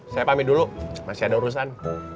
saya pamit dulu masih ada urusan